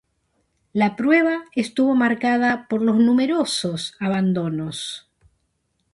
La prueba estuvo marcada por los numerosos abandonos.